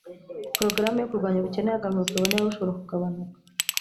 porogaramu yo kurwanya ubukene hagamijwe kureba niba bushobora kugabanuka